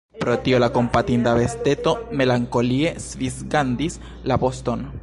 Pro tio la kompatinda besteto melankolie svingadis la voston.